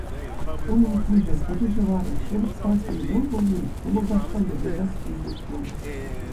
Унӑн куҫӗ, тути-ҫӑварӗ, ҫепӗҫ калаҫни, йӑл кулни, ҫӑмӑл ташлани — йӑлтах килӗшетчӗ мана.